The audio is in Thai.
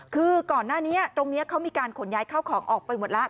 คือก่อนหน้านี้ตรงนี้เขามีการขนย้ายเข้าของออกไปหมดแล้ว